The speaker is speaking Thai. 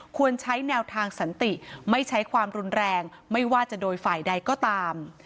ควรใช้แนวทางสันติไม่ใช้ความรุนแรงไม่ว่าจะโดยฝ่ายใดก็ตาม